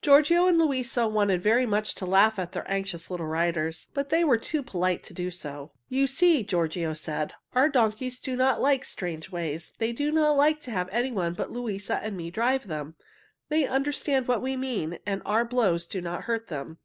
Giorgio and Luisa wanted very much to laugh at their anxious little riders, but they were too polite to do so. "You see," Giorgio said, "our donkeys do not like strange ways. They do not like to have anyone but Luisa and me drive them. They understand what we mean, and our blows do not hurt them."